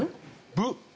「ブ」？